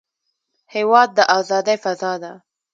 هېواد د ازادۍ فضا ده.